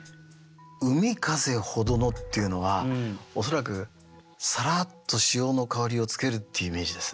「海風ほどの」っていうのは恐らくさらっと塩の香りをつけるっていうイメージですね。